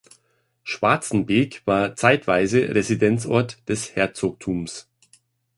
Schwarzenbek war zeitweise Residenzort des Herzogtums.